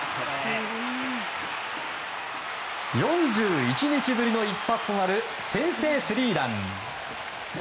４１日ぶりの一発となる先制スリーラン。